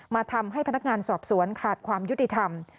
ทำให้พนักงานสอบสวนขาดความยุติธรรม